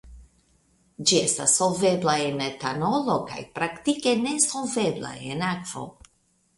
Ĝi estas solvebla en etanolo kaj praktike nesolvebla en akvo.